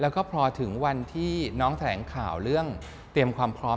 แล้วก็พอถึงวันที่น้องแถลงข่าวเรื่องเตรียมความพร้อม